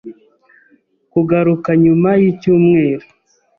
kugaruka nyuma y' icyumweru.